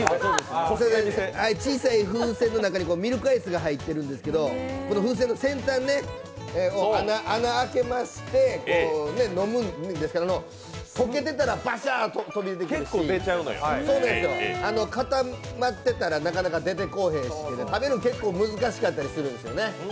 小さい風船の中にミルクアイスが入ってるんですけど風船の先端に穴を開けまして飲むんですが、溶けてたらばしゃーって飛び出てくるし固まってたら、なかなか出てこうへんし、食べるの結構難しかったりするんですよね。